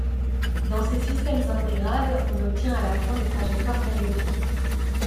dans ces systèmes intégrables on obtient à la fin des trajectoires périodiques